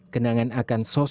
kenangan akan sosialisasi